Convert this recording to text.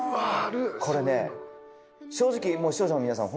これね正直視聴者の皆さん